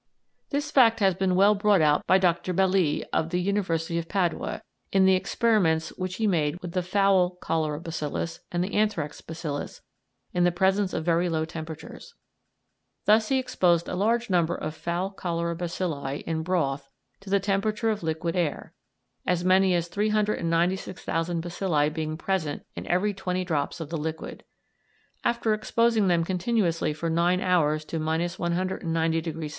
This fact has been well brought out by Dr. Belli, of the University of Padua, in the experiments which he made with the fowl cholera bacillus and the anthrax bacillus in the presence of very low temperatures. Thus he exposed a large number of fowl cholera bacilli in broth to the temperature of liquid air, as many as 396,000 bacilli being present in every twenty drops of the liquid. After exposing them continuously for nine hours to 190° C.